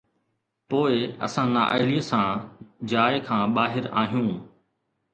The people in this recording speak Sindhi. پوءِ اسان نااهليءَ سان جاءِ کان ٻاهر آهيون